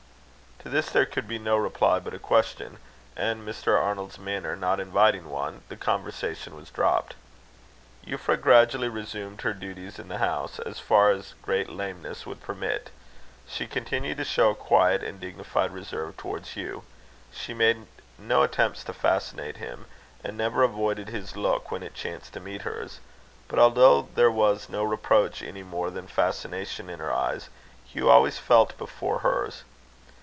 To this there could be no reply but a question; and Mr. Arnold's manner not inviting one, the conversation was dropped. Euphra gradually resumed her duties in the house, as far as great lameness would permit. She continued to show a quiet and dignified reserve towards Hugh. She made no attempts to fascinate him, and never avoided his look when it chanced to meet hers. But although there was no reproach any more than fascination in her eyes, Hugh's always fell before hers.